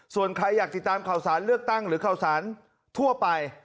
ส่วนใครอยากติดตามข่าวสารเลือกตั้งหรือข่าวสารทั่วไป